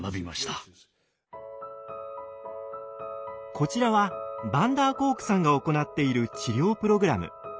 こちらはヴァンダーコークさんが行っている治療プログラム。